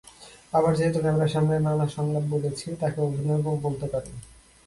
আবার যেহেতু ক্যামেরার সামনে নানা সংলাপ বলেছি, তাকে অভিনয়ও বলতে পারেন।